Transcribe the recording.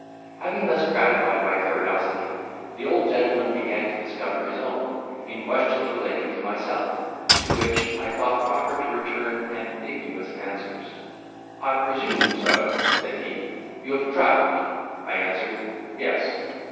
Having thus gratified my curiosity, the old gentleman began to discover his own, in questions relating to myself, to which I thought proper to return ambiguous answers. "I presume, Sir," said he, "you have travelled." I answered, "Yes."